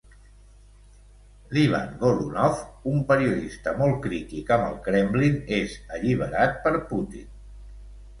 L'Ivan Golunov, un periodista molt crític amb el Kremlin, és alliberat per Putin.